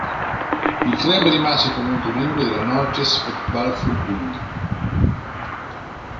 Il club rimase comunque membro della "Norges Fotballforbund".